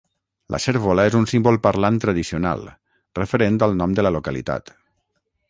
La cérvola és un símbol parlant tradicional, referent al nom de la localitat.